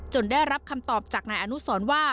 ได้รับคำตอบจากนายอนุสรว่า